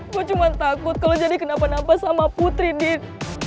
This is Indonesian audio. gue cuman takut kalo jadi kenapa napa sama putri din